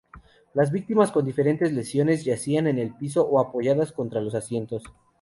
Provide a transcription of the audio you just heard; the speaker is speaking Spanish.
Las víctimas con diferentes lesiones yacían en el piso o apoyadas contra los asientos.